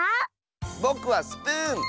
ぼくはスプーン！